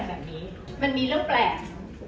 อ๋อแต่มีอีกอย่างนึงค่ะ